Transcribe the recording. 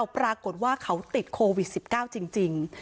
ปรากฏว่าเขาติดโควิด๑๙จริง